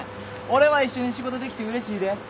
俺は一緒に仕事できてうれしいで。